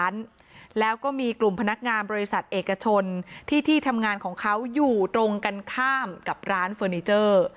นักงานบริษัทเอกชนที่ที่ทำงานของเขาอยู่ตรงกันข้ามกับร้านเฟอร์นิเจอร์